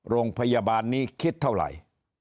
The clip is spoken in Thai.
โรงพยาบาลนี้คิดเท่าไหร่